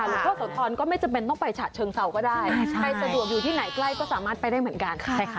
หลวงพ่อโสธรก็ไม่จำเป็นต้องไปฉะเชิงเซาก็ได้ใครสะดวกอยู่ที่ไหนใกล้ก็สามารถไปได้เหมือนกัน